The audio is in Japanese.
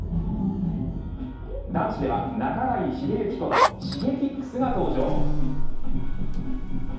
男子では、半井重幸ことＳｈｉｇｅｋｉｘが登場。